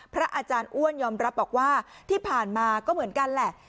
พระอาจารย์อ้วนยอมรับบอกว่าที่ผ่านมาก็เหมือนกันแหละ